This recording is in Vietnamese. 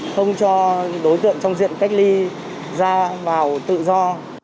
không cho đối tượng trong diện cách ly ra vào tự do